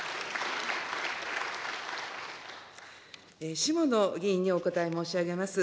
下野議員にお答え申し上げます。